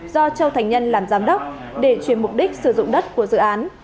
do châu thành nhân làm giám đốc để chuyển mục đích sử dụng đất của dự án